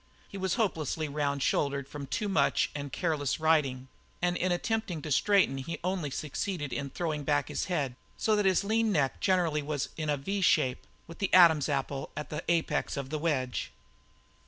He was hopelessly round shouldered from much and careless riding, and in attempting to straighten he only succeeded in throwing back his head, so that his lean neck generally was in a V shape with the Adam's apple as the apex of the wedge.